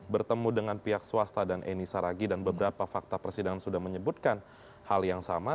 bertemu dengan pihak swasta dan eni saragi dan beberapa fakta persidangan sudah menyebutkan hal yang sama